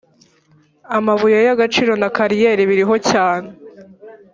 amabuye y ‘agaciro na kariyeri biriho cyane.